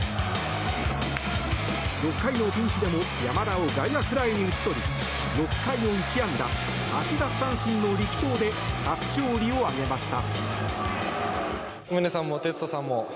６回のピンチでも山田を外野フライに打ち取り６回を１安打、８奪三振の力投で初勝利を挙げました。